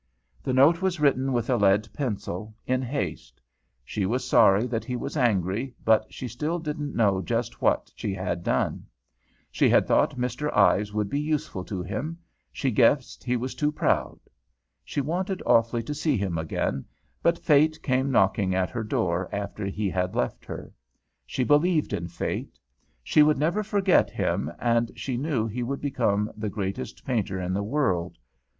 The note was written with a lead pencil, in haste: She was sorry that he was angry, but she still didn't know just what she had done. She had thought Mr. Ives would be useful to him; she guessed he was too proud. She wanted awfully to see him again, but Fate came knocking at her door after he had left her. She believed in Fate. She would never forget him, and she knew he would become the greatest painter in the world.